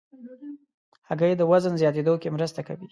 هګۍ د وزن زیاتېدو کې مرسته کوي.